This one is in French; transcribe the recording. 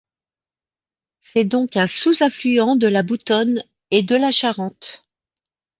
C'est donc un sous-affluent de la Boutonne et de la Charente.